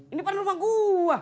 ini kan rumah gua